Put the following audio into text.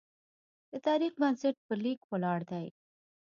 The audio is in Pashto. د تاریخ بنسټ په لیک ولاړ دی.